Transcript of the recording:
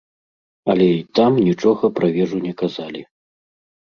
Але і там нічога пра вежу не казалі.